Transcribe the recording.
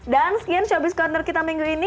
dan sekian showbiz corner kita minggu ini